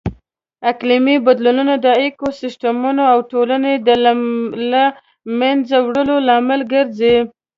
اقلیمي بدلونونه د ایکوسیسټمونو او ټولنو د لهمنځه وړلو لامل ګرځي.